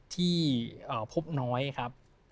ที่พบน้อยครับ